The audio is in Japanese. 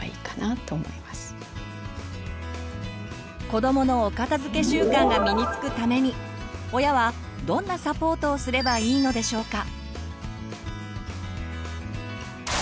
子どものお片づけ習慣が身につくために親はどんなサポートをすればいいのでしょうか。